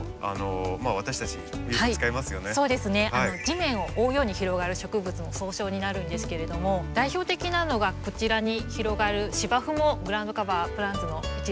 地面を覆うように広がる植物の総称になるんですけれども代表的なのがこちらに広がる芝生もグラウンドカバープランツの一部になります。